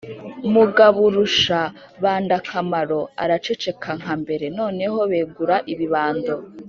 mugaburushabandakamaro araceceka nka mbere. noneho begura ibibando